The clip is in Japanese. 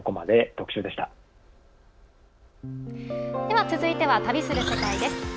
では続いては「旅する世界」です。